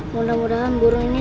mudah mudahan burung ini